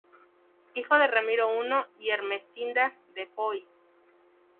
Hijo de Ramiro I y Ermesinda de Foix.